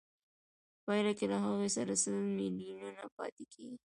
په پایله کې له هغه سره سل میلیونه پاتېږي